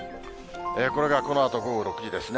これがこのあと午後６時ですね。